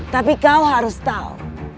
tapi kau harus tahu